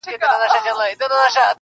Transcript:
سینه غواړمه چي تاب د لمبو راوړي-